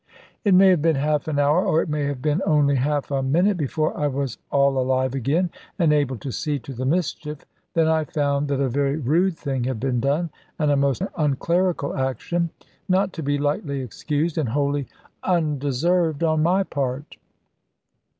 It may have been half an hour, or it may have been only half a minute, before I was all alive again, and able to see to the mischief. Then I found that a very rude thing had been done, and a most unclerical action, not to be lightly excused, and wholly undeserved on my part.